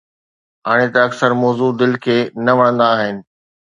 هاڻي ته اڪثر موضوع دل کي نه وڻندا آهن.